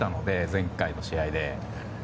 前回の試合で。